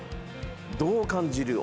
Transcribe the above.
「どう感じる？